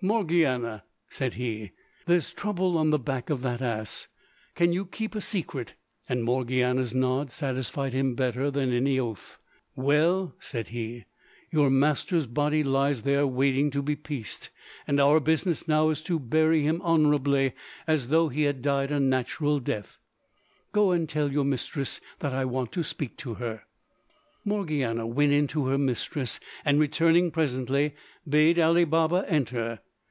"Morgiana," said he, "there's trouble on the back of that ass. Can you keep a secret?" And Morgiana's nod satisfied him better than any oath. "Well," said he, "your master's body lies there waiting to be pieced, and our business now is to bury him honourably as though he had died a natural death. Go and tell your mistress that I want to speak to her." Morgiana went in to her mistress, and returning presently bade Ali Baba enter.